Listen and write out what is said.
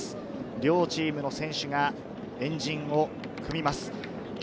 両チームの選手が円陣を組みます。